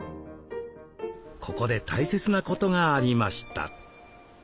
ここで大切なことがありました。